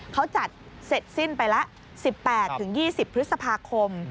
เขาจัดเสร็จสิ้นไปละ๑๘๒๐พฤษภาคม